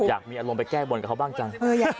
อยากมีอารมณ์ไปแก้บนกับเขาบ้างจัง